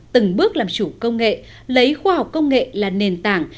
từng bước làm chủ công nghệ lấy khoa học công nghệ là nền tảng